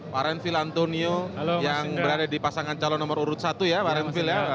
marenville antonio yang berada di pasangan calon nomor urut satu ya marenville ya